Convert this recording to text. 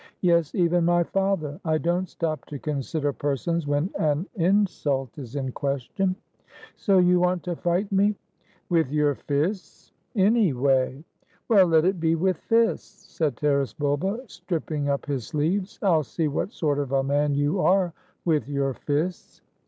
"Yes, even my father, I don't stop to consider per sons when an insult is in question." "So you want to fight me? — with your fists?" "Any way." "Well, let it be with fists," said Taras Bulba, strip ping up his sleeves! "I'll see what sort of a man you are with your fists."